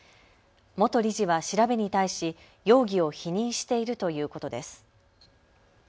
元理事は調べに対し容疑を否認しているということです。